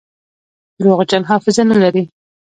درواغجن حافظه نلري.